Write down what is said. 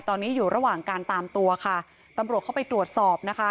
ตอนนี้อยู่ระหว่างการตามตัวค่ะตำรวจเข้าไปตรวจสอบนะคะ